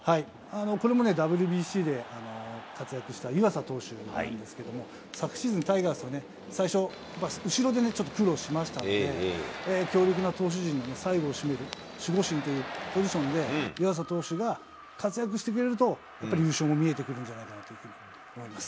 これもね、ＷＢＣで活躍した湯浅投手なんですけれども、昨シーズン、タイガースは最初、後ろでちょっと苦労しましたので、強力な投手陣の最後を締める守護神というポジションで、湯浅投手が活躍してくれると、やっぱり優勝も見えてくるんじゃないかなというふうに思います。